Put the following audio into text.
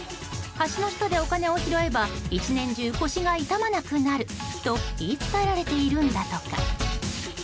橋の下でお金を拾えば一年中、腰が痛まなくなると言い伝えられているんだとか。